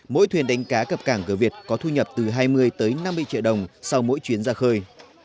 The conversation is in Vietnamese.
mỗi thuyền đánh cá cập cảng gờ việt có thu nhập từ hai mươi tới năm mươi triệu đồng sau mỗi chuyến ra khơi